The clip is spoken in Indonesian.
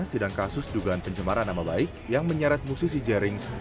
sidang kasus dugaan pencemaran nama baik yang menyeret musisi jerings